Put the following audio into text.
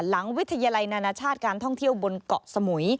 หลังวิทยาลัยนานาชาติการท่องเที่ยวบนเกาะสมุย